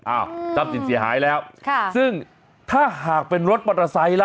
อ้าวกล้ามจิตเสียหายแล้วซึ่งถ้าหากเป็นรถปลอดภัยล่ะ